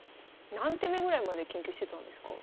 何手目ぐらいまで研究してたんですか？